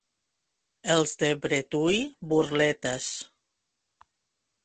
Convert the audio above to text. Els de Bretui, burletes.